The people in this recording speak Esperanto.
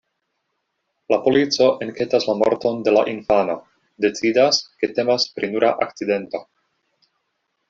La polico enketas la morton de la infano, decidas, ke temas pri nura akcidento.